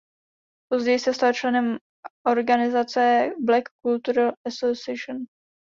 Později se stal členem organizace Black Cultural Association.